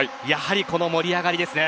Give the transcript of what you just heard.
やはりこの盛り上がりですね。